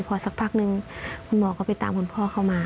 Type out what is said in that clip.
พอสักพักนึงคุณหมอก็ไปตามคุณพ่อเข้ามา